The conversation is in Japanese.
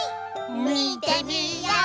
みてみよう！